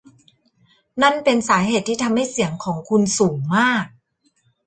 นั่นเป็นสาเหตุที่ทำให้เสียงของคุณสูงมาก